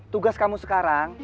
tugas kamu sekarang